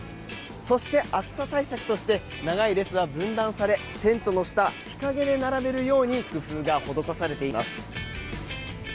そして、暑さ対策として長い列は分断されテントの下、日陰で並べるように工夫が施されています。